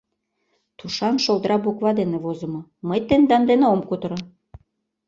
Тушан шолдра буква дене возымо: «Мый тендан дене ом кутыро!